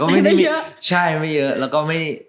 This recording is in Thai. ไม่ได้เยอะ